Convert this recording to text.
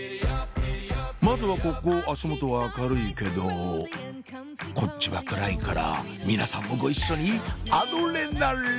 まずはここ足元は明るいけどこっちは暗いから皆さんもご一緒にアドレナリン！